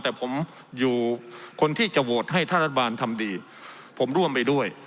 แต่ผมอยู่คนที่จะโหวตให้ถ้ารัฐบาลทำดีผมร่วมไปด้วย